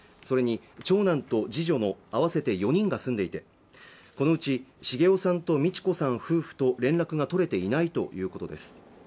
それに長男と次女の合わせて４人が住んでいてこのうち重雄さんと美知子さん夫婦と連絡が取れていないということです